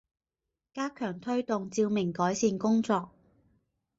加强推动照明改善工作